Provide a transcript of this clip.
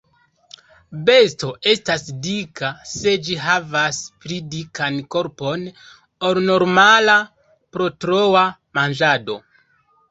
Besto estas dika se ĝi havas pli dikan korpon ol normala pro troa manĝado.